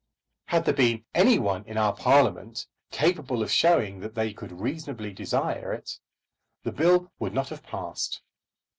Had there been any one in our Parliament capable of showing that they could reasonably desire it, the bill would not have been passed.